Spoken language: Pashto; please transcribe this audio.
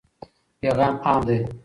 پیغام عام دی.